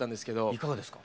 いかがですか？